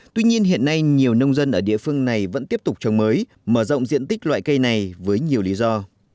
tuy nhiên hiện nay nhiều nông dân ở địa phương này vẫn tiếp tục trồng mới mở rộng diện tích loại cây này với nhiều lý do